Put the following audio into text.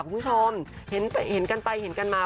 คุณผู้ชมเห็นกันไปเห็นกันมา